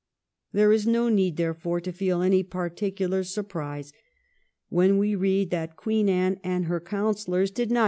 There is no need, therefore, to feel any particular surprise when we read that Queen Anne and her councillors did not 1703 A HOPELESS PROJECT.